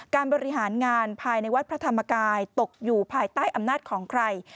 การบริหารงานภายในวัดพระธรรมกายตกอยู่ภายใต้อำนาจของใคร